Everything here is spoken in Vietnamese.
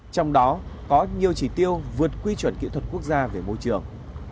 trong đó có nhiều chỉ tiêu vượt quy chuẩn kỹ thuật quốc gia về môi trường